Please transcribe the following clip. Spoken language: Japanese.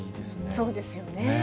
そうですよね。